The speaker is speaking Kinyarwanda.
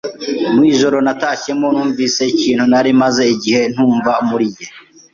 Mu ijoro natashyemo, numvise ikintu nari maze igihe ntumva muri jye: